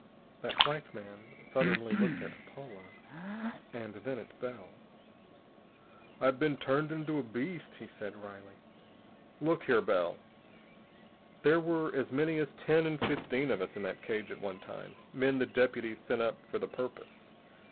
That white man looked suddenly at Paula, and then at Bell. "I've been turned into a beast," he said wryly. "Look here, Bell. There were as many as ten and fifteen of us in that cage at one time men the deputies sent up for the purpose.